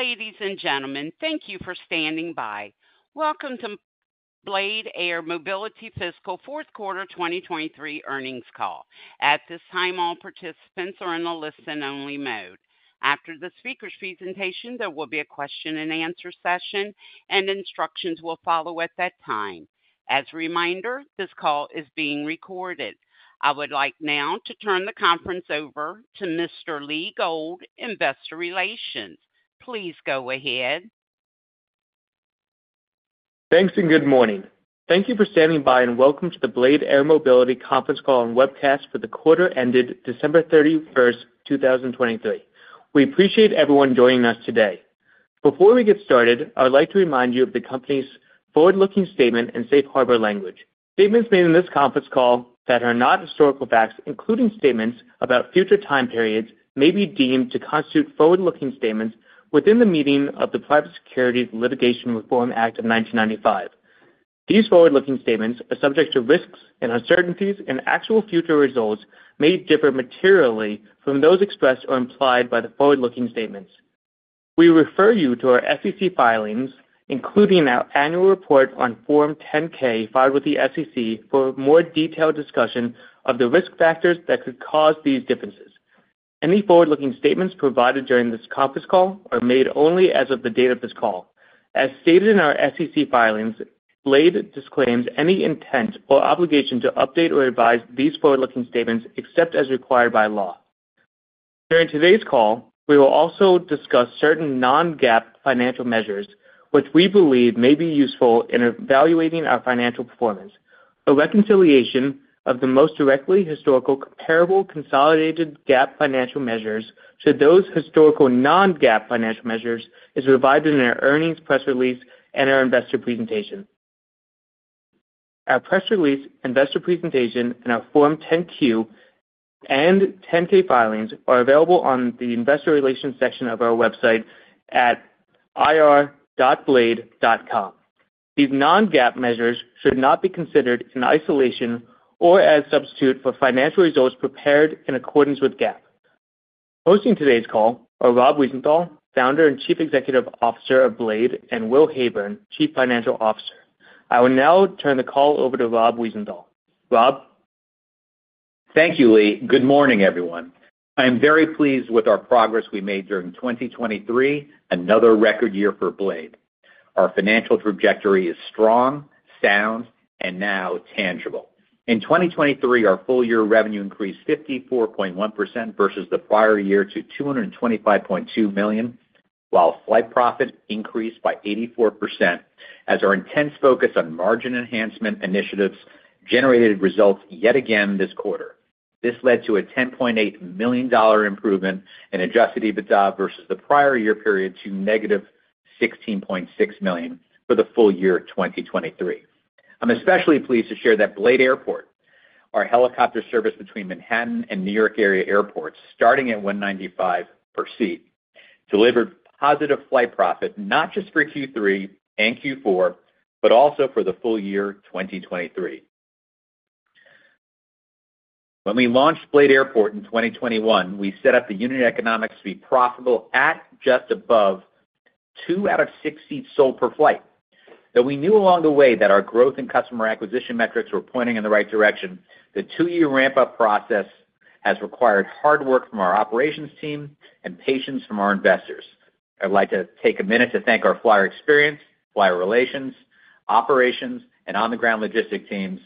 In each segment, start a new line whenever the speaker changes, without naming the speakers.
Ladies and gentlemen, thank you for standing by. Welcome to BLADE Air Mobility Fiscal 4th Quarter 2023 earnings call. At this time, all participants are in a listen-only mode. After the speaker's presentation, there will be a question-and-answer session, and instructions will follow at that time. As a reminder, this call is being recorded. I would like now to turn the conference over to Mr. Lee Gold, Investor Relations. Please go ahead.
Thanks and good morning. Thank you for standing by and welcome to the BLADE Air Mobility conference call and webcast for the quarter-ended December 31st, 2023. We appreciate everyone joining us today. Before we get started, I would like to remind you of the company's forward-looking statement and safe harbor language. Statements made in this conference call that are not historical facts, including statements about future time periods, may be deemed to constitute forward-looking statements within the meaning of the Private Securities Litigation Reform Act of 1995. These forward-looking statements are subject to risks and uncertainties, and actual future results may differ materially from those expressed or implied by the forward-looking statements. We refer you to our SEC filings, including our annual report on Form 10-K filed with the SEC for a more detailed discussion of the risk factors that could cause these differences. Any forward-looking statements provided during this conference call are made only as of the date of this call. As stated in our SEC filings, Blade disclaims any intent or obligation to update or revise these forward-looking statements except as required by law. During today's call, we will also discuss certain non-GAAP financial measures, which we believe may be useful in evaluating our financial performance. A reconciliation of the most directly historical comparable consolidated GAAP financial measures to those historical non-GAAP financial measures is provided in our earnings press release and our investor presentation. Our press release, investor presentation, and our Form 10-Q and 10-K filings are available on the Investor Relations section of our website at ir.blade.com. These non-GAAP measures should not be considered in isolation or as a substitute for financial results prepared in accordance with GAAP. Hosting today's call are Rob Wiesenthal, Founder and Chief Executive Officer of BLADE, and Will Heyburn, Chief Financial Officer. I will now turn the call over to Rob Wiesenthal. Rob?
Thank you, Lee. Good morning, everyone. I am very pleased with our progress we made during 2023, another record year for Blade. Our financial trajectory is strong, sound, and now tangible. In 2023, our full-year revenue increased 54.1% versus the prior year to $225.2 million, while flight profit increased by 84% as our intense focus on margin enhancement initiatives generated results yet again this quarter. This led to a $10.8 million improvement in Adjusted EBITDA versus the prior year period to -$16.6 million for the full year 2023. I'm especially pleased to share that Blade Airport, our helicopter service between Manhattan and New York area airports starting at $195 per seat, delivered positive flight profit not just for Q3 and Q4 but also for the full year 2023. When we launched BLADE Airport in 2021, we set up the unit economics to be profitable at just above 2 out of 6 seats sold per flight. Though we knew along the way that our growth and customer acquisition metrics were pointing in the right direction, the 2-year ramp-up process has required hard work from our operations team and patience from our investors. I'd like to take a minute to thank our flyer experience, flyer relations, operations, and on-the-ground logistics teams,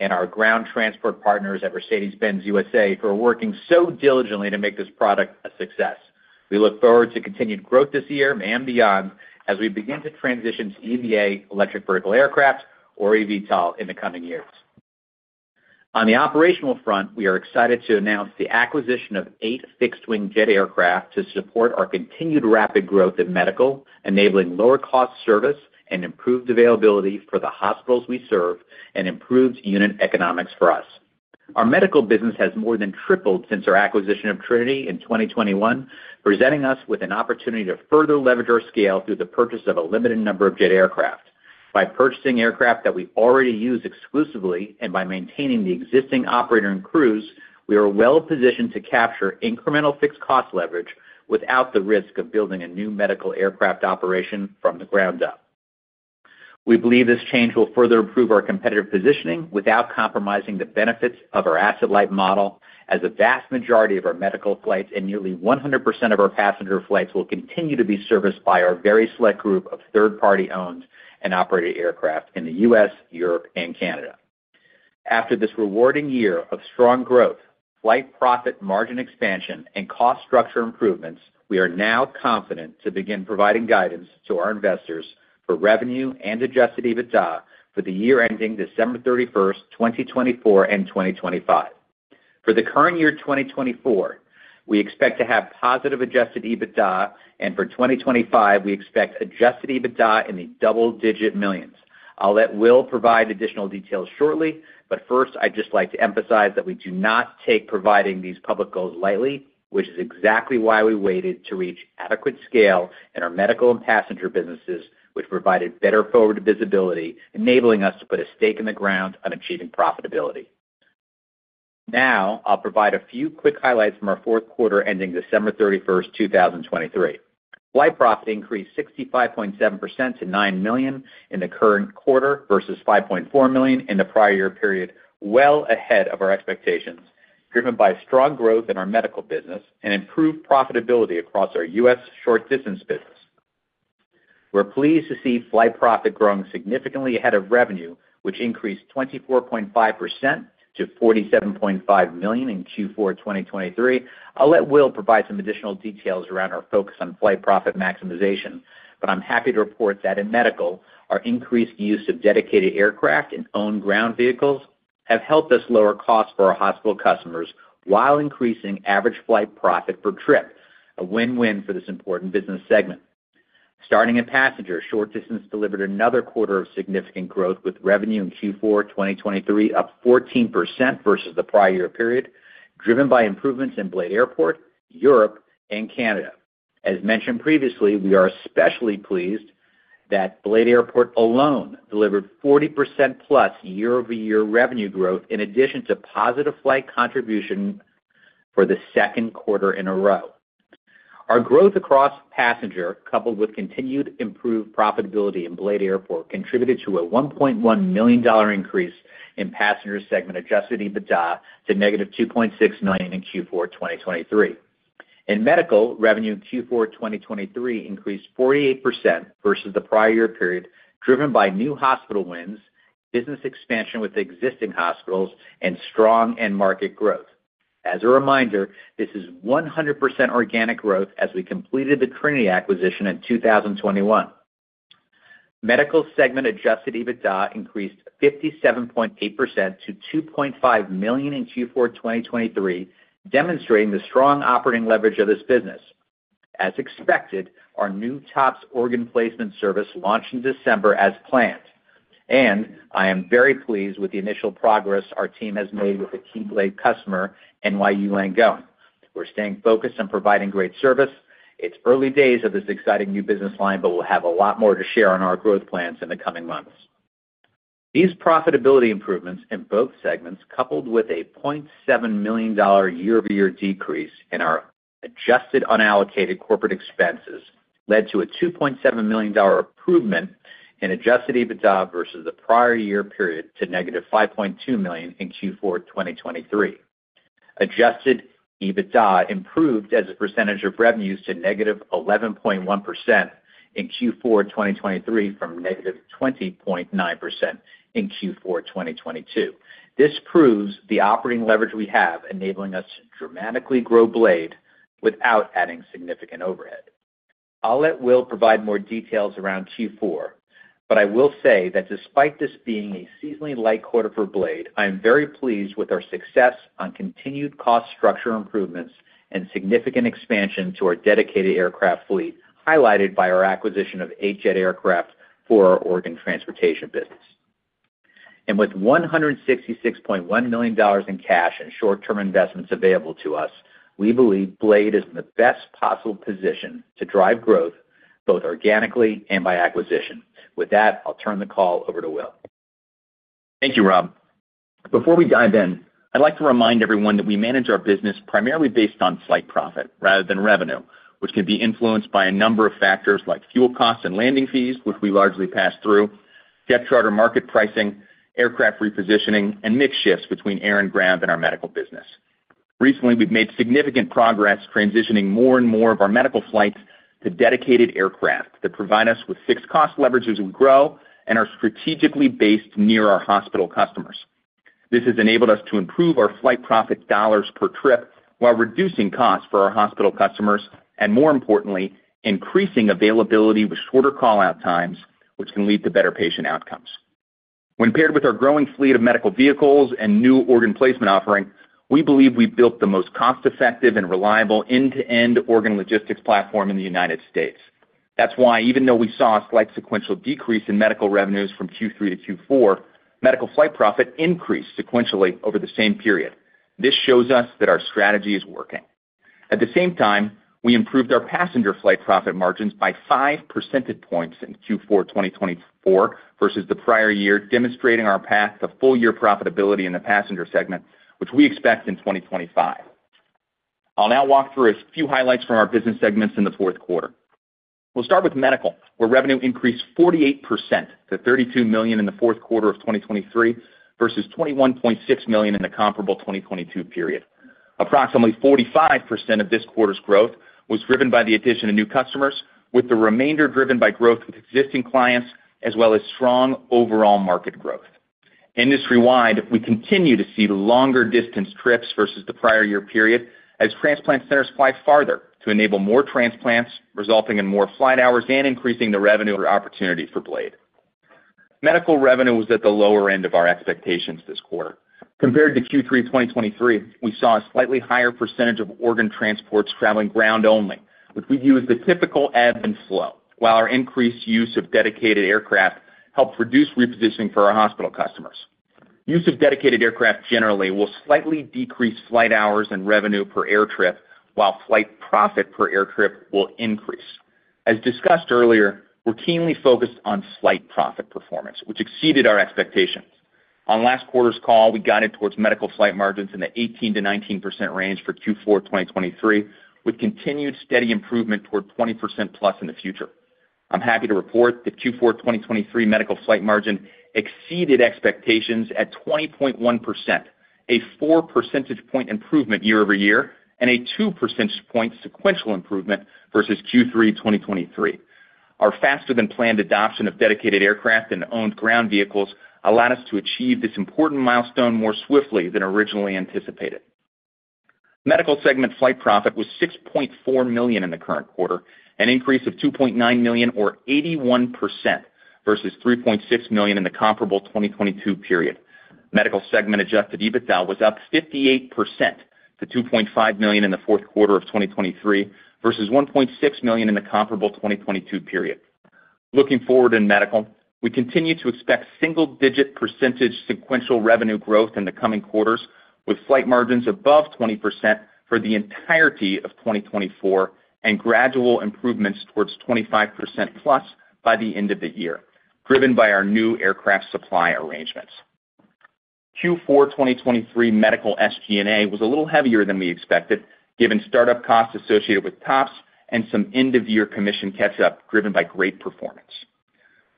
and our ground transport partners at Mercedes-Benz USA for working so diligently to make this product a success. We look forward to continued growth this year and beyond as we begin to transition to EVA electric vertical aircraft, or eVTOL, in the coming years. On the operational front, we are excited to announce the acquisition of 8 fixed-wing jet aircraft to support our continued rapid growth in medical, enabling lower-cost service and improved availability for the hospitals we serve and improved unit economics for us. Our medical business has more than tripled since our acquisition of Trinity in 2021, presenting us with an opportunity to further leverage our scale through the purchase of a limited number of jet aircraft. By purchasing aircraft that we already use exclusively and by maintaining the existing operator and crews, we are well-positioned to capture incremental fixed-cost leverage without the risk of building a new medical aircraft operation from the ground up. We believe this change will further improve our competitive positioning without compromising the benefits of our asset-light model, as the vast majority of our medical flights and nearly 100% of our passenger flights will continue to be serviced by our very select group of third-party-owned and operated aircraft in the U.S., Europe, and Canada. After this rewarding year of strong growth, flight profit margin expansion, and cost structure improvements, we are now confident to begin providing guidance to our investors for revenue and adjusted EBITDA for the year ending December 31st, 2024, and 2025. For the current year 2024, we expect to have positive adjusted EBITDA, and for 2025, we expect adjusted EBITDA in the double-digit millions. I'll let Will provide additional details shortly, but first, I'd just like to emphasize that we do not take providing these public goals lightly, which is exactly why we waited to reach adequate scale in our medical and passenger businesses, which provided better forward visibility, enabling us to put a stake in the ground on achieving profitability. Now, I'll provide a few quick highlights from our fourth quarter ending December 31st, 2023. Flight profit increased 65.7% to $9 million in the current quarter versus $5.4 million in the prior year period, well ahead of our expectations, driven by strong growth in our medical business and improved profitability across our U.S. short-distance business. We're pleased to see flight profit growing significantly ahead of revenue, which increased 24.5% to $47.5 million in Q4 2023. I'll let Will provide some additional details around our focus on flight profit maximization, but I'm happy to report that in medical, our increased use of dedicated aircraft and owned ground vehicles have helped us lower costs for our hospital customers while increasing average flight profit per trip, a win-win for this important business segment. Starting in passenger, short-distance delivered another quarter of significant growth with revenue in Q4 2023 up 14% versus the prior year period, driven by improvements in BLADE Airport, Europe, and Canada. As mentioned previously, we are especially pleased that BLADE Airport alone delivered 40%+ year-over-year revenue growth in addition to positive flight contribution for the second quarter in a row. Our growth across passenger, coupled with continued improved profitability in BLADE Airport, contributed to a $1.1 million increase in passenger segment Adjusted EBITDA to -$2.6 million in Q4 2023. In medical, revenue in Q4 2023 increased 48% versus the prior year period, driven by new hospital wins, business expansion with existing hospitals, and strong end-market growth. As a reminder, this is 100% organic growth as we completed the Trinity acquisition in 2021. Medical segment Adjusted EBITDA increased 57.8% to $2.5 million in Q4 2023, demonstrating the strong operating leverage of this business. As expected, our new TOPS organ placement service launched in December as planned, and I am very pleased with the initial progress our team has made with the BLADE customer, NYU Langone. We're staying focused on providing great service. It's early days of this exciting new business line, but we'll have a lot more to share on our growth plans in the coming months. These profitability improvements in both segments, coupled with a $0.7 million year-over-year decrease in our adjusted unallocated corporate expenses, led to a $2.7 million improvement in adjusted EBITDA versus the prior year period to -$5.2 million in Q4 2023. Adjusted EBITDA improved as a percentage of revenues to -11.1% in Q4 2023 from -20.9% in Q4 2022. This proves the operating leverage we have, enabling us to dramatically grow BLADE without adding significant overhead. I'll let Will provide more details around Q4, but I will say that despite this being a seasonally light quarter for BLADE, I am very pleased with our success on continued cost structure improvements and significant expansion to our dedicated aircraft fleet highlighted by our acquisition of eight jet aircraft for our organ transportation business. With $166.1 million in cash and short-term investments available to us, we believe BLADE is in the best possible position to drive growth both organically and by acquisition. With that, I'll turn the call over to Will.
Thank you, Rob. Before we dive in, I'd like to remind everyone that we manage our business primarily based on flight profit rather than revenue, which can be influenced by a number of factors like fuel costs and landing fees, which we largely pass through, jet charter market pricing, aircraft repositioning, and mixed shifts between air and ground in our medical business. Recently, we've made significant progress transitioning more and more of our medical flights to dedicated aircraft that provide us with fixed cost leverage as we grow and are strategically based near our hospital customers. This has enabled us to improve our flight profit dollars per trip while reducing costs for our hospital customers and, more importantly, increasing availability with shorter callout times, which can lead to better patient outcomes. When paired with our growing fleet of medical vehicles and new organ placement offering, we believe we've built the most cost-effective and reliable end-to-end organ logistics platform in the United States. That's why, even though we saw a slight sequential decrease in medical revenues from Q3 to Q4, medical flight profit increased sequentially over the same period. This shows us that our strategy is working. At the same time, we improved our passenger flight profit margins by five percentage points in Q4 2024 versus the prior year, demonstrating our path to full-year profitability in the passenger segment, which we expect in 2025. I'll now walk through a few highlights from our business segments in the fourth quarter. We'll start with medical, where revenue increased 48% to $32 million in the fourth quarter of 2023 versus $21.6 million in the comparable 2022 period. Approximately 45% of this quarter's growth was driven by the addition of new customers, with the remainder driven by growth with existing clients as well as strong overall market growth. Industry-wide, we continue to see longer-distance trips versus the prior year period as transplant centers fly farther to enable more transplants, resulting in more flight hours and increasing the revenue opportunity for BLADE. Medical revenue was at the lower end of our expectations this quarter. Compared to Q3 2023, we saw a slightly higher percentage of organ transports traveling ground-only, which we view as the typical ebb and flow, while our increased use of dedicated aircraft helped reduce repositioning for our hospital customers. Use of dedicated aircraft generally will slightly decrease flight hours and revenue per air trip, while flight profit per air trip will increase. As discussed earlier, we're keenly focused on flight profit performance, which exceeded our expectations. On last quarter's call, we guided towards medical flight margins in the 18%-19% range for Q4 2023, with continued steady improvement toward 20%+ in the future. I'm happy to report that Q4 2023 medical flight margin exceeded expectations at 20.1%, a 4 percentage point improvement year-over-year and a 2 percentage point sequential improvement versus Q3 2023. Our faster-than-planned adoption of dedicated aircraft and owned ground vehicles allowed us to achieve this important milestone more swiftly than originally anticipated. Medical segment flight profit was $6.4 million in the current quarter, an increase of $2.9 million or 81% versus $3.6 million in the comparable 2022 period. Medical segment Adjusted EBITDA was up 58% to $2.5 million in the fourth quarter of 2023 versus $1.6 million in the comparable 2022 period. Looking forward in medical, we continue to expect single-digit percentage sequential revenue growth in the coming quarters, with flight margins above 20% for the entirety of 2024 and gradual improvements towards 25%-plus by the end of the year, driven by our new aircraft supply arrangements. Q4 2023 medical SG&A was a little heavier than we expected, given startup costs associated with TOPS and some end-of-year commission catch-up driven by great performance.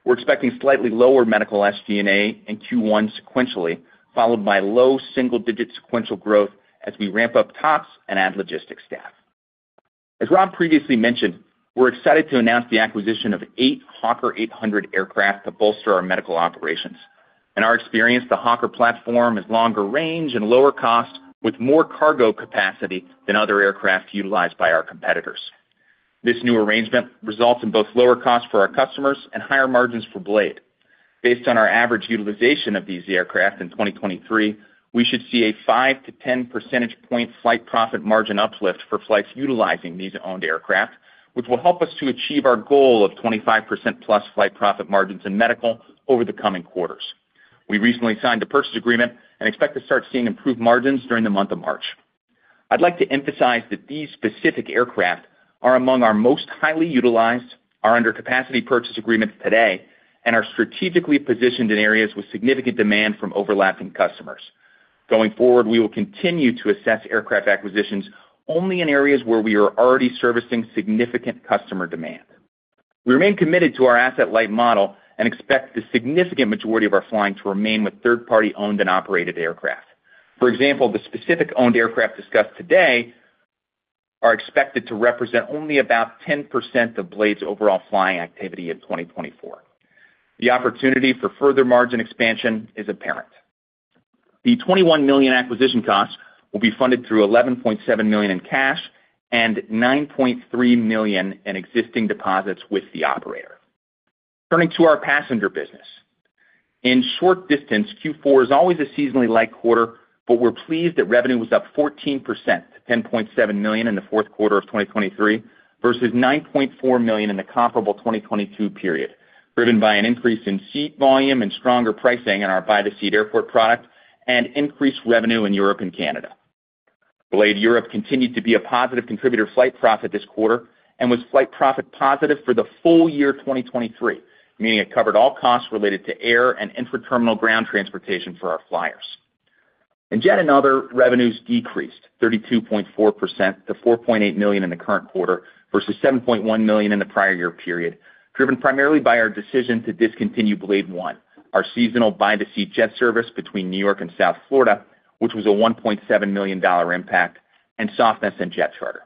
We're expecting slightly lower medical SG&A in Q1 sequentially, followed by low single-digit sequential growth as we ramp up TOPS and add logistics staff. As Rob previously mentioned, we're excited to announce the acquisition of eight Hawker 800 aircraft to bolster our medical operations. In our experience, the Hawker platform has longer range and lower cost with more cargo capacity than other aircraft utilized by our competitors. This new arrangement results in both lower costs for our customers and higher margins for BLADE. Based on our average utilization of these aircraft in 2023, we should see a 5-10 percentage point flight profit margin uplift for flights utilizing these owned aircraft, which will help us to achieve our goal of 25%+ flight profit margins in medical over the coming quarters. We recently signed a purchase agreement and expect to start seeing improved margins during the month of March. I'd like to emphasize that these specific aircraft are among our most highly utilized, are under capacity purchase agreements today, and are strategically positioned in areas with significant demand from overlapping customers. Going forward, we will continue to assess aircraft acquisitions only in areas where we are already servicing significant customer demand. We remain committed to our asset-light model and expect the significant majority of our flying to remain with third-party-owned and operated aircraft. For example, the specific owned aircraft discussed today are expected to represent only about 10% of BLADE's overall flying activity in 2024. The opportunity for further margin expansion is apparent. The $21 million acquisition costs will be funded through $11.7 million in cash and $9.3 million in existing deposits with the operator. Turning to our passenger business, in short-distance, Q4 is always a seasonally light quarter, but we're pleased that revenue was up 14% to $10.7 million in the fourth quarter of 2023 versus $9.4 million in the comparable 2022 period, driven by an increase in seat volume and stronger pricing in our by-the-seat airport product and increased revenue in Europe and Canada. BLADE Europe continued to be a positive contributor to flight profit this quarter and was flight profit positive for the full year 2023, meaning it covered all costs related to air and intra-terminal ground transportation for our flyers. In jet and other, revenues decreased 32.4% to $4.8 million in the current quarter versus $7.1 million in the prior year period, driven primarily by our decision to discontinue BLADE One, our seasonal by-the-seat jet service between New York and South Florida, which was a $1.7 million impact, and softness in jet charter.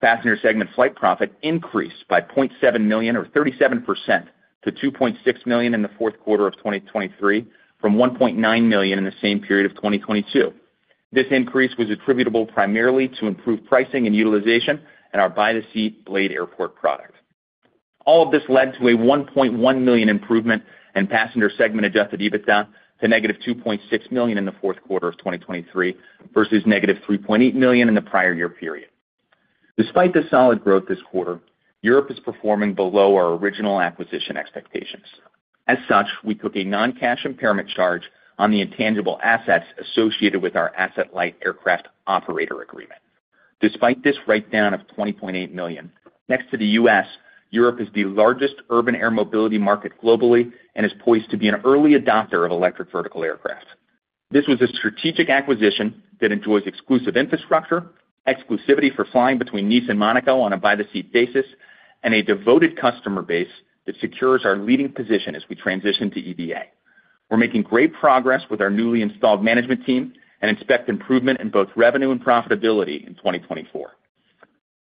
Passenger segment flight profit increased by $0.7 million or 37% to $2.6 million in the fourth quarter of 2023 from $1.9 million in the same period of 2022. This increase was attributable primarily to improved pricing and utilization in our by-the-seat BLADE Airport product. All of this led to a $1.1 million improvement in passenger segment adjusted EBITDA to negative $2.6 million in the fourth quarter of 2023 versus negative $3.8 million in the prior year period. Despite this solid growth this quarter, Europe is performing below our original acquisition expectations. As such, we took a non-cash impairment charge on the intangible assets associated with our asset-light aircraft operator agreement. Despite this write-down of $20.8 million, next to the U.S., Europe is the largest urban air mobility market globally and is poised to be an early adopter of electric vertical aircraft. This was a strategic acquisition that enjoys exclusive infrastructure, exclusivity for flying between Nice and Monaco on a by-the-seat basis, and a devoted customer base that secures our leading position as we transition to EVA. We're making great progress with our newly installed management team and expect improvement in both revenue and profitability in 2024.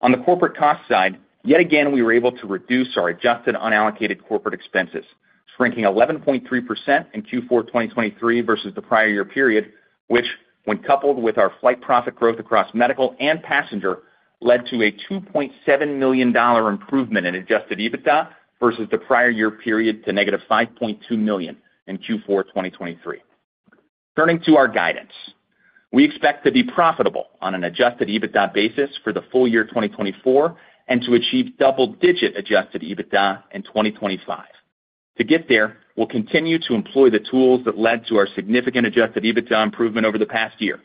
On the corporate cost side, yet again, we were able to reduce our adjusted unallocated corporate expenses, shrinking 11.3% in Q4 2023 versus the prior year period, which, when coupled with our flight profit growth across medical and passenger, led to a $2.7 million improvement in adjusted EBITDA versus the prior year period to -$5.2 million in Q4 2023. Turning to our guidance, we expect to be profitable on an adjusted EBITDA basis for the full year 2024 and to achieve double-digit adjusted EBITDA in 2025. To get there, we'll continue to employ the tools that led to our significant adjusted EBITDA improvement over the past year.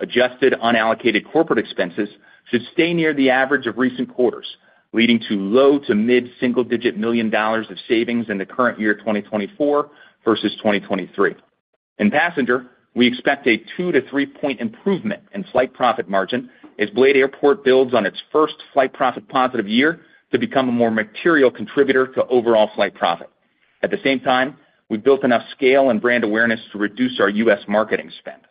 Adjusted unallocated corporate expenses should stay near the average of recent quarters, leading to low- to mid-single-digit $ million of savings in the current year 2024 versus 2023. In passenger, we expect a 2-3-point improvement in flight profit margin as BLADE Airport builds on its first flight profit positive year to become a more material contributor to overall flight profit. At the same time, we've built enough scale and brand awareness to reduce our U.S. marketing spend.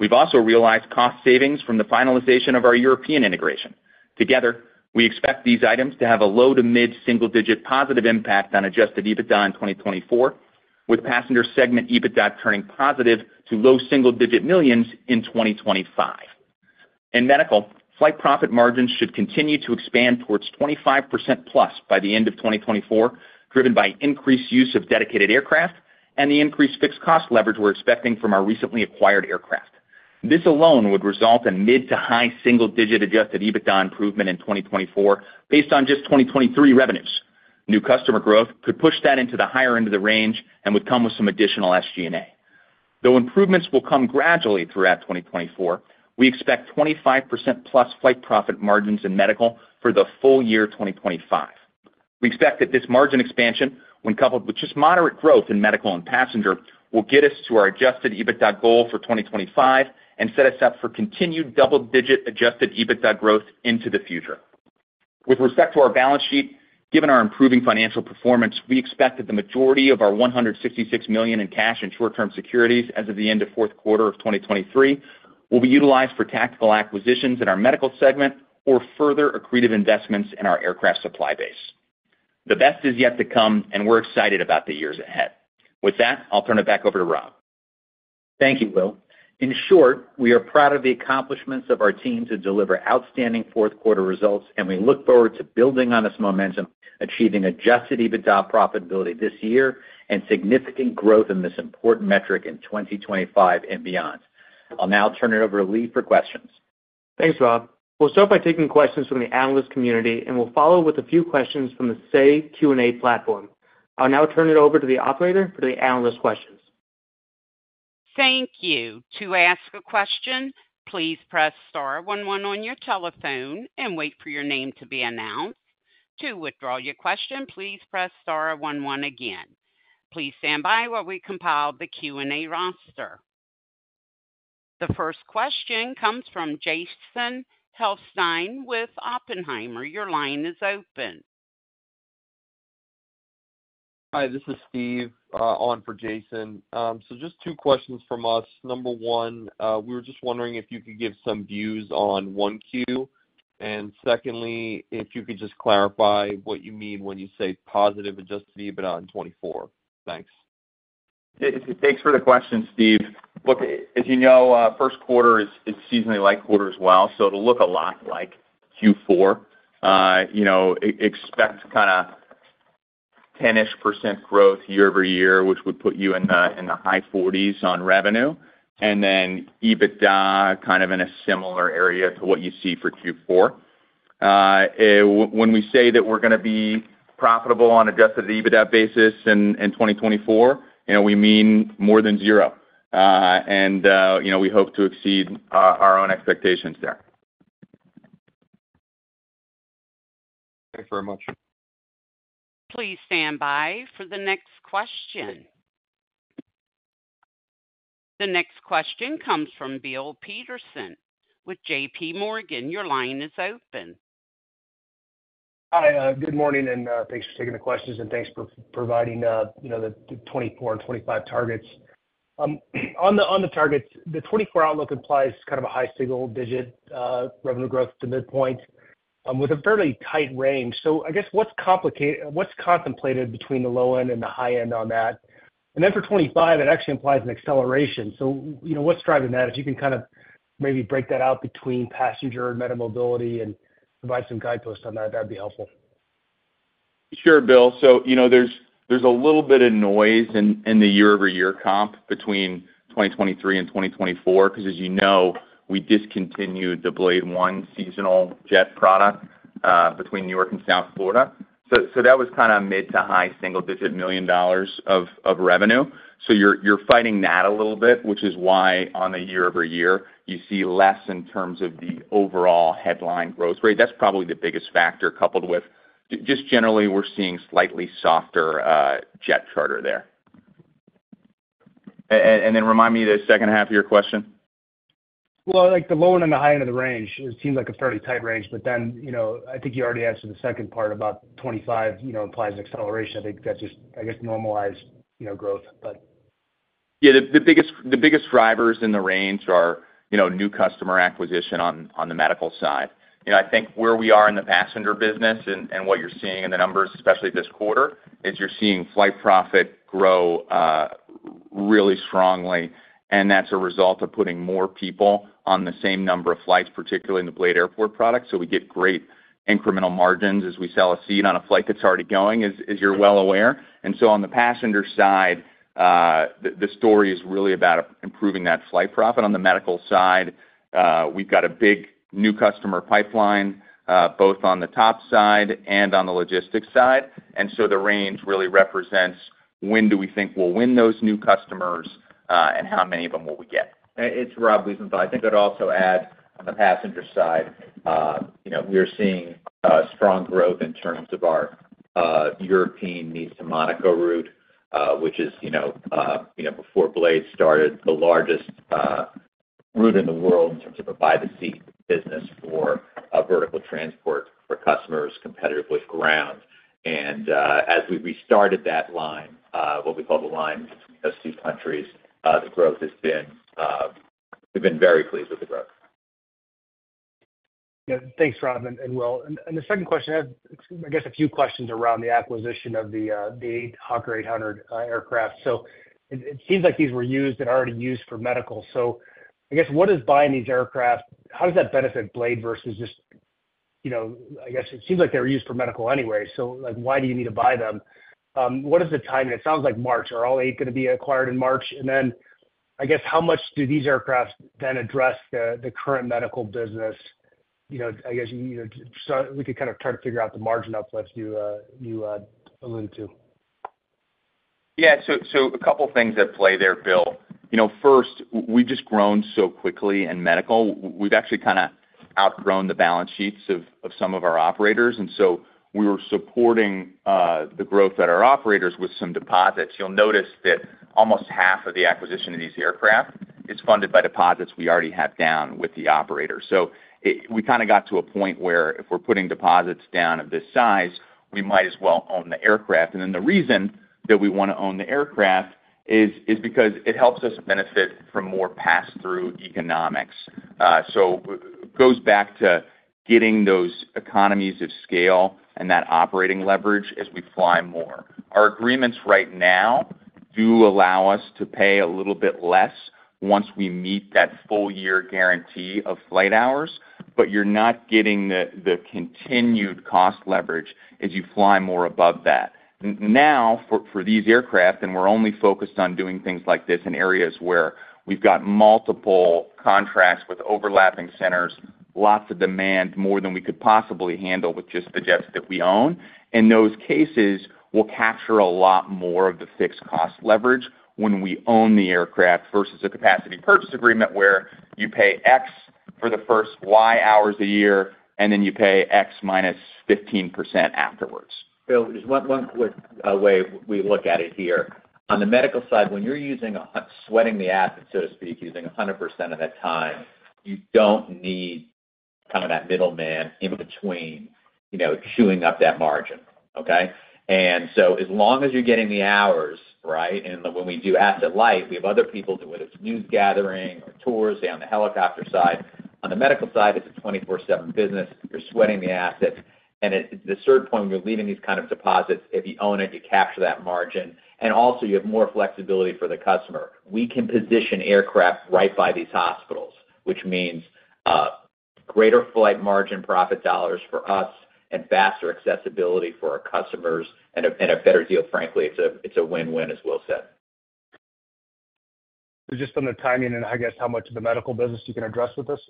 We've also realized cost savings from the finalization of our European integration. Together, we expect these items to have a low- to mid-single-digit positive impact on Adjusted EBITDA in 2024, with passenger segment EBITDA turning positive to low single-digit $ millions in 2025. In medical, flight profit margins should continue to expand towards 25%+ by the end of 2024, driven by increased use of dedicated aircraft and the increased fixed cost leverage we're expecting from our recently acquired aircraft. This alone would result in mid to high single-digit adjusted EBITDA improvement in 2024 based on just 2023 revenues. New customer growth could push that into the higher end of the range and would come with some additional SG&A. Though improvements will come gradually throughout 2024, we expect 25%+ flight profit margins in medical for the full year 2025. We expect that this margin expansion, when coupled with just moderate growth in medical and passenger, will get us to our adjusted EBITDA goal for 2025 and set us up for continued double-digit adjusted EBITDA growth into the future. With respect to our balance sheet, given our improving financial performance, we expect that the majority of our $166 million in cash and short-term securities as of the end of fourth quarter of 2023 will be utilized for tactical acquisitions in our medical segment or further accretive investments in our aircraft supply base. The best is yet to come, and we're excited about the years ahead. With that, I'll turn it back over to Rob. Thank you, Will. In short, we are proud of the accomplishments of our team to deliver outstanding fourth quarter results, and we look forward to building on this momentum, achieving Adjusted EBITDA profitability this year, and significant growth in this important metric in 2025 and beyond. I'll now turn it over to Lee for questions.
Thanks, Rob. We'll start by taking questions from the analyst community, and we'll follow with a few questions from the SAY Q&A platform. I'll now turn it over to the operator for the analyst questions.
Thank you. To ask a question, please press star 11 on your telephone and wait for your name to be announced. To withdraw your question, please press star 11 again. Please stand by while we compile the Q&A roster. The first question comes from Jason Helfstein with Oppenheimer. Your line is open.
Hi, this is Steve on for Jason. So just two questions from us. Number one, we were just wondering if you could give some views on 1Q, and secondly, if you could just clarify what you mean when you say positive Adjusted EBITDA in 2024. Thanks.
Thanks for the question, Steve. Look, as you know, first quarter is seasonally light quarter as well, so it'll look a lot like Q4. Expect kind of 10-ish% growth year-over-year, which would put you in the high 40s on revenue, and then EBITDA kind of in a similar area to what you see for Q4. When we say that we're going to be profitable on adjusted EBITDA basis in 2024, we mean more than zero, and we hope to exceed our own expectations there.
Thanks very much.
Please stand by for the next question. The next question comes from Bill Peterson with JPMorgan. Your line is open.
Hi. Good morning, and thanks for taking the questions, and thanks for providing the 2024 and 2025 targets. On the targets, the 2024 outlook implies kind of a high single-digit revenue growth to midpoint with a fairly tight range. So I guess what's contemplated between the low end and the high end on that? And then for 2025, it actually implies an acceleration. So what's driving that? If you can kind of maybe break that out between passenger and meta mobility and provide some guideposts on that, that'd be helpful.
Sure, Bill. So there's a little bit of noise in the year-over-year comp between 2023 and 2024 because, as you know, we discontinued the BLADE One seasonal jet product between New York and South Florida. So that was kind of a mid- to high single-digit $ million of revenue. So you're fighting that a little bit, which is why on the year-over-year, you see less in terms of the overall headline growth rate. That's probably the biggest factor coupled with just generally, we're seeing slightly softer jet charter there. And then remind me the second half of your question.
Well, the low end and the high end of the range, it seems like a fairly tight range. But then I think you already answered the second part about 2025 implies acceleration. I think that just, I guess, normalized growth, but.
Yeah, the biggest drivers in the range are new customer acquisition on the medical side. I think where we are in the passenger business and what you're seeing in the numbers, especially this quarter, is you're seeing flight profit grow really strongly, and that's a result of putting more people on the same number of flights, particularly in the BLADE Airport product. So we get great incremental margins as we sell a seat on a flight that's already going, as you're well aware. And so on the passenger side, the story is really about improving that flight profit. On the medical side, we've got a big new customer pipeline both on the TOPS side and on the logistics side. And so the range really represents when do we think we'll win those new customers and how many of them will we get.
It's Rob Wiesenthal. So I think I'd also add, on the passenger side, we are seeing strong growth in terms of our European Nice to Monaco route, which is, before BLADE started, the largest route in the world in terms of a by-the-seat business for vertical transport for customers competitively ground. And as we restarted that line, what we call the line between those two countries, the growth has been we've been very pleased with the growth.
Thanks, Rob and Will. The second question, I guess a few questions around the acquisition of the Hawker 800 aircraft. So it seems like these were used and already used for medical. So I guess what is buying these aircraft? How does that benefit BLADE versus just I guess it seems like they were used for medical anyway. So why do you need to buy them? What is the timing? It sounds like March. Are all eight going to be acquired in March? And then I guess how much do these aircraft then address the current medical business? I guess we could kind of try to figure out the margin uplift you alluded to.
Yeah. So a couple of things at play there, Bill. First, we've just grown so quickly in medical. We've actually kind of outgrown the balance sheets of some of our operators. And so we were supporting the growth at our operators with some deposits. You'll notice that almost half of the acquisition of these aircraft is funded by deposits we already have down with the operators. So we kind of got to a point where if we're putting deposits down of this size, we might as well own the aircraft. And then the reason that we want to own the aircraft is because it helps us benefit from more pass-through economics. So it goes back to getting those economies of scale and that operating leverage as we fly more. Our agreements right now do allow us to pay a little bit less once we meet that full-year guarantee of flight hours, but you're not getting the continued cost leverage as you fly more above that. Now, for these aircraft, and we're only focused on doing things like this in areas where we've got multiple contracts with overlapping centers, lots of demand, more than we could possibly handle with just the jets that we own. In those cases, we'll capture a lot more of the fixed cost leverage when we own the aircraft versus a capacity purchase agreement where you pay X for the first Y hours a year, and then you pay X minus 15% afterwards.
Bill, just one quick way we look at it here. On the medical side, when you're sweating the asset, so to speak, using 100% of that time, you don't need kind of that middleman in between chewing up that margin, okay? So as long as you're getting the hours, right? When we do asset light, we have other people doing it. It's news gathering or tours down the helicopter side. On the medical side, it's a 24/7 business. You're sweating the assets. At the third point, when you're leasing these kinds of assets, if you own it, you capture that margin. Also, you have more flexibility for the customer. We can position aircraft right by these hospitals, which means greater flight margin profit dollars for us and faster accessibility for our customers and a better deal. Frankly, it's a win-win, as Will said.
Just on the timing and I guess how much of the medical business you can address with this?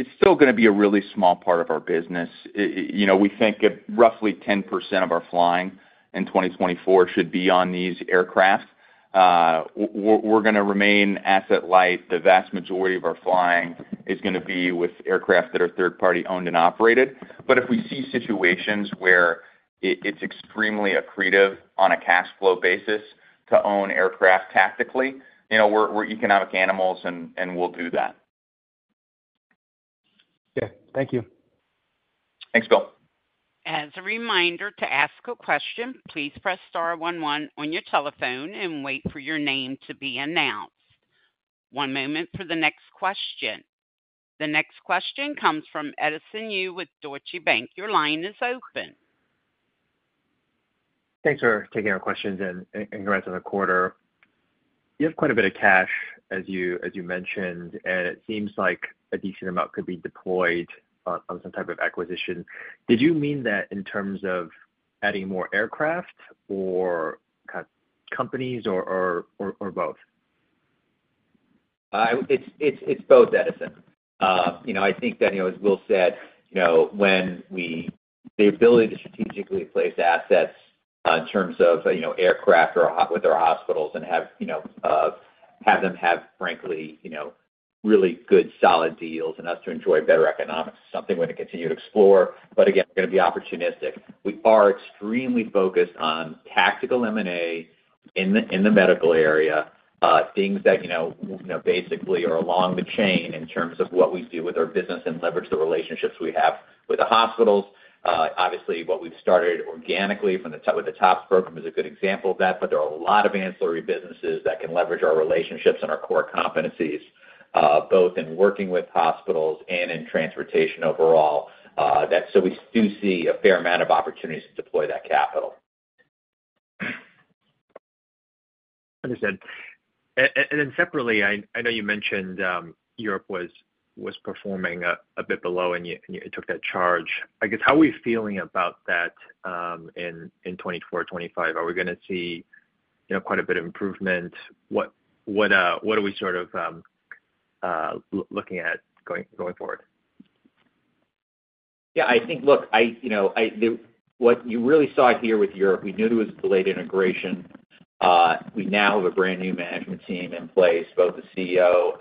It's still going to be a really small part of our business. We think roughly 10% of our flying in 2024 should be on these aircraft. We're going to remain asset light. The vast majority of our flying is going to be with aircraft that are third-party owned and operated. But if we see situations where it's extremely accretive on a cash flow basis to own aircraft tactically, we're economic animals, and we'll do that.
Yeah. Thank you.
Thanks, Bill.
As a reminder to ask a question, please press star 11 on your telephone and wait for your name to be announced. One moment for the next question. The next question comes from Edison Yu with Deutsche Bank. Your line is open.
Thanks for taking our questions and congrats on the quarter. You have quite a bit of cash, as you mentioned, and it seems like a decent amount could be deployed on some type of acquisition. Did you mean that in terms of adding more aircraft or kind of companies or both?
It's both, Edison. I think that, as Will said, when we have the ability to strategically place assets in terms of aircraft with our hospitals and have them have, frankly, really good solid deals and for us to enjoy better economics is something we're going to continue to explore. But again, we're going to be opportunistic. We are extremely focused on tactical M&A in the medical area, things that basically are along the chain in terms of what we do with our business and leverage the relationships we have with the hospitals. Obviously, what we've started organically with the TOPS program is a good example of that, but there are a lot of ancillary businesses that can leverage our relationships and our core competencies, both in working with hospitals and in transportation overall. So we do see a fair amount of opportunities to deploy that capital.
Understood. And then separately, I know you mentioned Europe was performing a bit below, and it took that charge. I guess how are we feeling about that in 2024, 2025? Are we going to see quite a bit of improvement? What are we sort of looking at going forward?
Yeah. I think, look, what you really saw here with Europe, we knew it was a delayed integration. We now have a brand new management team in place, both the CEO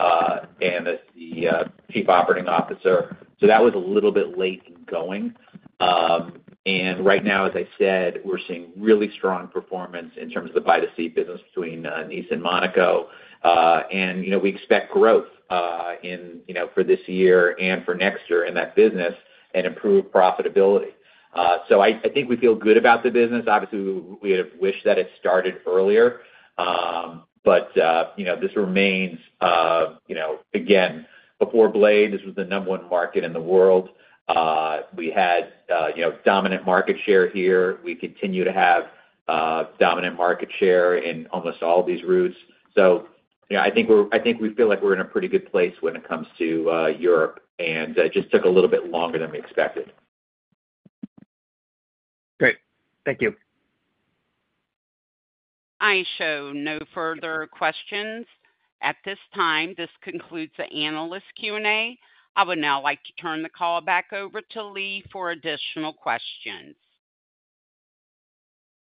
and the chief operating officer. That was a little bit late in going. Right now, as I said, we're seeing really strong performance in terms of the by-the-seat business between Nice and Monaco. We expect growth for this year and for next year in that business and improved profitability. I think we feel good about the business. Obviously, we would have wished that it started earlier, but this remains again, before BLADE, this was the number one market in the world. We had dominant market share here. We continue to have dominant market share in almost all these routes. I think we feel like we're in a pretty good place when it comes to Europe, and it just took a little bit longer than we expected.
Great. Thank you.
I show no further questions at this time. This concludes the analyst Q&A. I would now like to turn the call back over to Lee for additional questions.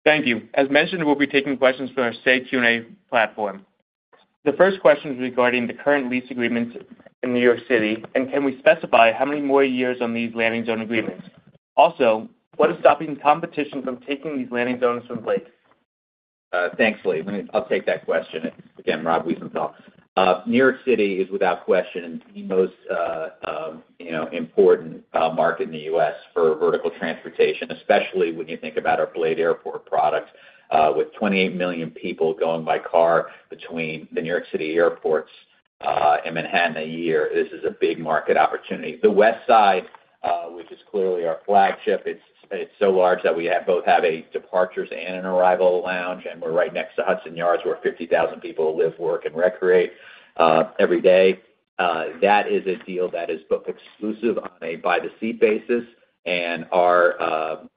Thank you. As mentioned, we'll be taking questions from our Say Q&A platform. The first question is regarding the current lease agreements in New York City, and can we specify how many more years on these landing zone agreements? Also, what is stopping competition from taking these landing zones from BLADE?
Thanks, Lee. I'll take that question. Again, Rob Wiesenthal. New York City is, without question, the most important market in the U.S. for vertical transportation, especially when you think about our BLADE Airport product. With 28 million people going by car between the New York City airports and Manhattan a year, this is a big market opportunity. The West Side, which is clearly our flagship, it's so large that we both have a departures and an arrival lounge, and we're right next to Hudson Yards where 50,000 people live, work, and recreate every day. That is a deal that is booked exclusive on a by-the-seat basis, and our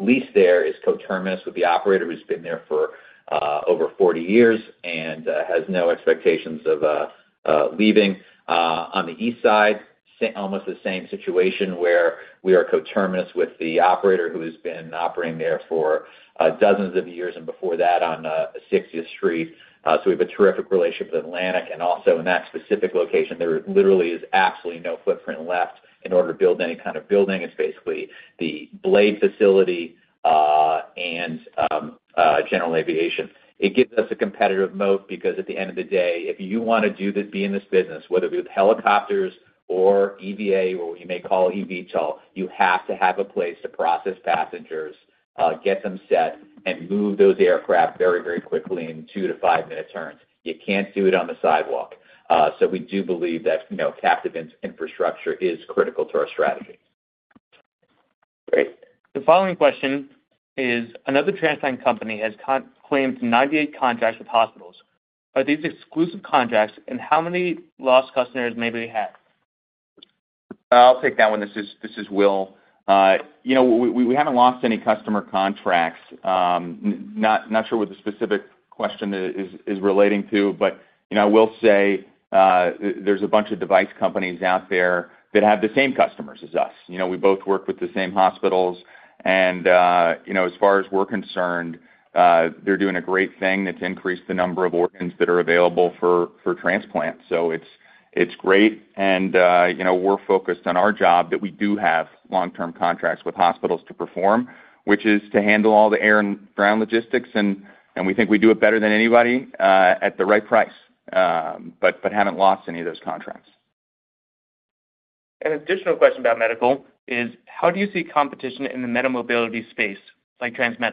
lease there is coterminous with the operator who's been there for over 40 years and has no expectations of leaving. On the East Side, almost the same situation where we are coterminous with the operator who has been operating there for dozens of years and before that on 60th Street. So we have a terrific relationship with Atlantic, and also in that specific location, there literally is absolutely no footprint left in order to build any kind of building. It's basically the BLADE facility and General Aviation. It gives us a competitive moat because at the end of the day, if you want to be in this business, whether it be with helicopters or EVA or what you may call EVTOL, you have to have a place to process passengers, get them set, and move those aircraft very, very quickly in 2- to 5-minute turns. You can't do it on the sidewalk. So we do believe that captive infrastructure is critical to our strategy.
Great. The following question is: Another transatlantic company has claimed 98 contracts with hospitals. Are these exclusive contracts, and how many lost customers may they have?
I'll take that one. This is Will. We haven't lost any customer contracts. Not sure what the specific question is relating to, but I will say there's a bunch of device companies out there that have the same customers as us. We both work with the same hospitals, and as far as we're concerned, they're doing a great thing that's increased the number of organs that are available for transplant. So it's great, and we're focused on our job that we do have long-term contracts with hospitals to perform, which is to handle all the air and ground logistics. And we think we do it better than anybody at the right price, but haven't lost any of those contracts.
An additional question about medical is, how do you see competition in the MediMobility space, like TransMedics?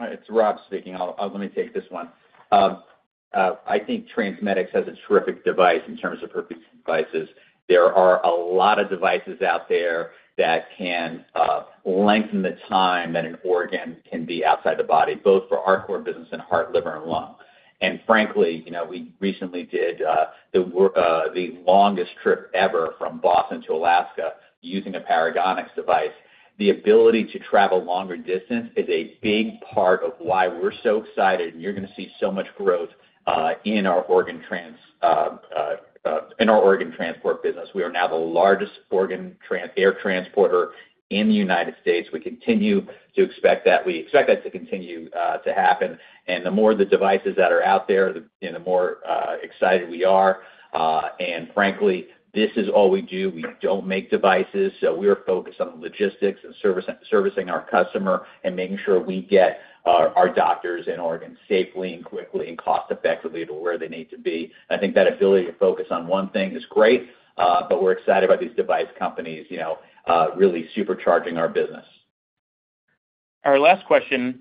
It's Rob speaking. Let me take this one. I think TransMedics has a terrific device in terms of preservation devices. There are a lot of devices out there that can lengthen the time that an organ can be outside the body, both for our core business and heart, liver, and lung. Frankly, we recently did the longest trip ever from Boston to Alaska using a Paragonix device. The ability to travel longer distance is a big part of why we're so excited, and you're going to see so much growth in our organ transport business. We are now the largest air transporter in the United States. We continue to expect that. We expect that to continue to happen. The more the devices that are out there, the more excited we are. Frankly, this is all we do. We don't make devices. We are focused on logistics and servicing our customer and making sure we get our doctors and organs safely and quickly and cost-effectively to where they need to be. I think that ability to focus on one thing is great, but we're excited about these device companies really supercharging our business.
Our last question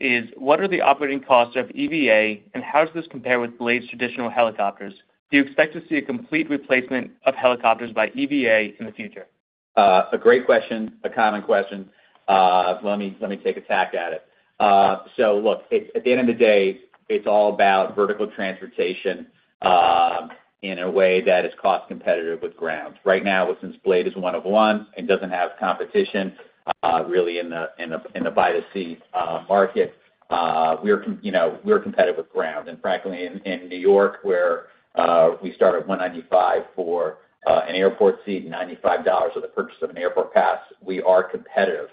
is, what are the operating costs of EVA, and how does this compare with BLADE's traditional helicopters? Do you expect to see a complete replacement of helicopters by EVA in the future?
A great question, a common question. Let me take a tack at it. So look, at the end of the day, it's all about vertical transportation in a way that is cost-competitive with ground. Right now, since Blade is one of one and doesn't have competition really in the by-the-seat market, we're competitive with ground. And frankly, in New York, where we start at $195 for an airport seat, $95 with the purchase of an airport pass, we are competitive.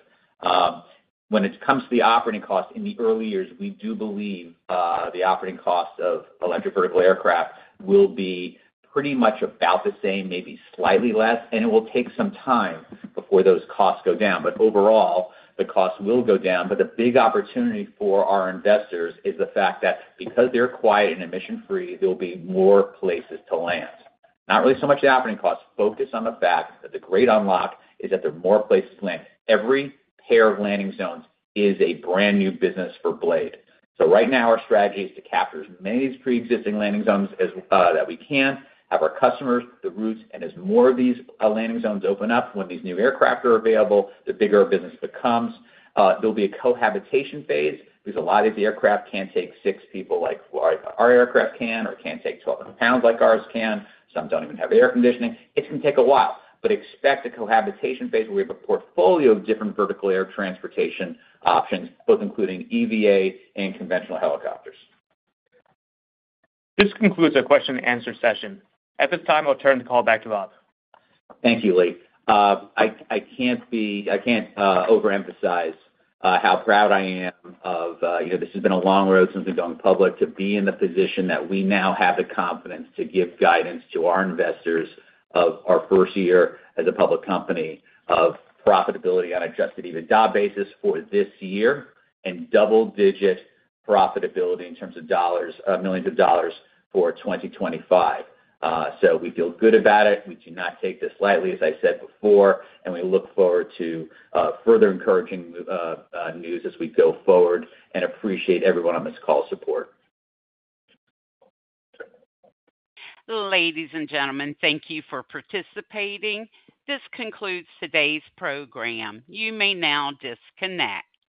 When it comes to the operating cost, in the early years, we do believe the operating cost of electric vertical aircraft will be pretty much about the same, maybe slightly less, and it will take some time before those costs go down. But overall, the costs will go down. But the big opportunity for our investors is the fact that because they're quiet and emission-free, there will be more places to land. Not really so much the operating costs. Focus on the fact that the great unlock is that there are more places to land. Every pair of landing zones is a brand new business for BLADE. So right now, our strategy is to capture as many of these pre-existing landing zones as we can, have our customers, the routes, and as more of these landing zones open up when these new aircraft are available, the bigger our business becomes. There'll be a cohabitation phase because a lot of these aircraft can't take six people like our aircraft can or can't take 1,200 pounds like ours can. Some don't even have air conditioning. It's going to take a while, but expect a cohabitation phase where we have a portfolio of different vertical air transportation options, both including EVA and conventional helicopters.
This concludes our question-and-answer session. At this time, I'll turn the call back to Rob.
Thank you, Lee. I can't overemphasize how proud I am. This has been a long road since we've gone public to be in the position that we now have the confidence to give guidance to our investors of our first year as a public company of profitability on an adjusted EBITDA basis for this year and double-digit profitability in terms of millions of dollars for 2025. So we feel good about it. We do not take this lightly, as I said before, and we look forward to further encouraging news as we go forward and appreciate everyone on this call's support.
Ladies and gentlemen, thank you for participating. This concludes today's program. You may now disconnect.